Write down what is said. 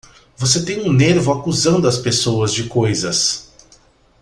Você tem um nervo acusando as pessoas de coisas!